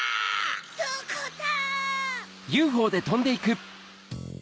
どこだ？